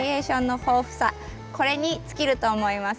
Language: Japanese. これに尽きると思います。